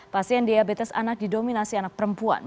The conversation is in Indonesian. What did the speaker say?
pasien diabetes anak didominasi anak perempuan